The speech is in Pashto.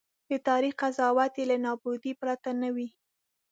د تاریخ قضاوت یې له نابودۍ پرته نه وي.